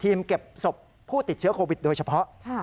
เก็บศพผู้ติดเชื้อโควิดโดยเฉพาะ